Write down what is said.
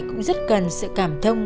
cũng rất cần sự cảm thông